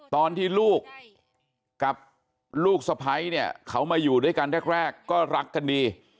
ตอนที่ลูกกับลูกสะพ้ายเนี่ยเขามาอยู่ด้วยกันแรกก็รักกันดี